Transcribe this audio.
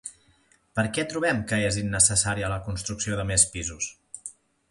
Per què troben que és innecessària la construcció de més pisos?